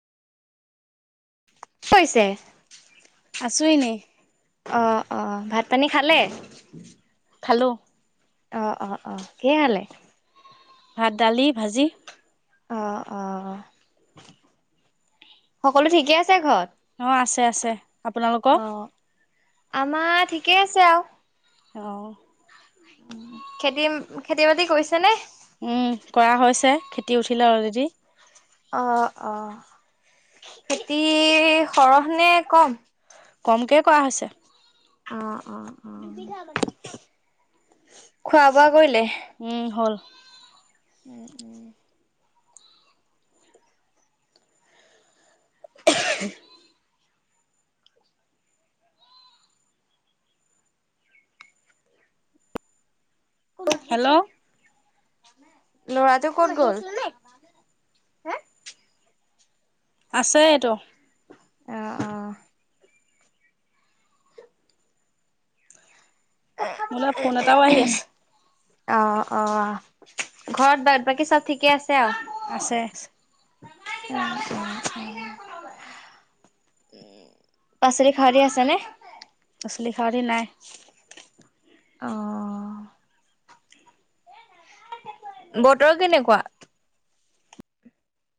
কৈছে আছো এনে। অ - অ ভাত পানী খালে। খালো। অ - অ - অ কিহে খালে। ভাত দালি ভাজি। অ - অ। [inaudible] সকলো ঠিকে আছে ঘৰত? অ, আছে - আছে আপোনালোকৰ। অ', আমাৰ ঠিকেই আছে আৰু। অ। খেতি, খেতি-বাতি কৰিছে নে? উম, কৰা হৈছে খেতি উঠিলে অলৰেডি। অ, অ, খেতি সৰহ নে কম? কমকে কৰা হৈছে। অ, অ, অ, খোৱা-বোৱা কৰিলে? উম হ'ল উম - উম। [unintelligible] হেল্ল'। ল'ৰাটো ক'ত গ'ল। হে? আছেটো আহ আহ। মোলে ফোন এটাও আহি আছে। অ- অ ঘৰত ব বাকী চব ঠিকে আছে। আছে। [unintelligible] উ পাচলি খাৰলি আছে নে? পাচলি খৰলি নাই। অ' বতৰ কেনেকুৱা